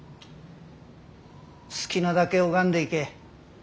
好きなだけ拝んでいけ。